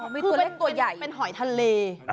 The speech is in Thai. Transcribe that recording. มีตัวเล็กตัวใหญ่เป็นหอยทะเล